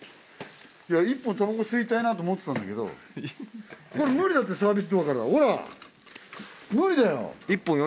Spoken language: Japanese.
１本タバコ吸いたいなと思ってたんだけど無理だってサービスドアからほら無理だよ。